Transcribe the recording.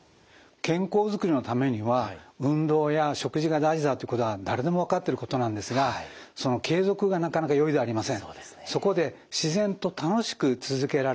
健康づくりのためには運動や食事が大事だということが誰でも分かってることなんですがその継続がなかなか容易ではありません。